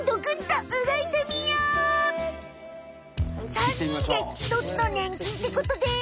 ３人でひとつのねん菌ってことです。